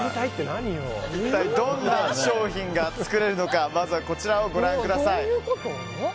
一体どんな商品が作れるのかまずは、こちらをご覧ください。